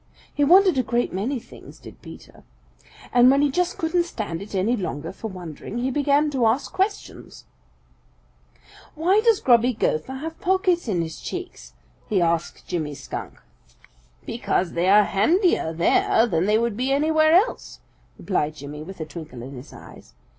He wondered a great many things, did Peter. And when he just couldn't stand it any longer for wondering, he began to ask questions. "Why does Grubby Gopher have pockets in his cheeks?" he asked Jimmy Skunk. "Because they are handier there than they would be anywhere else," replied Jimmy with a twinkle in his eyes.